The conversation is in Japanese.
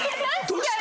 どうした？